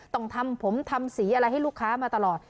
ต้องทำผมทำสีอะไรให้ลูกค้ามาตลอด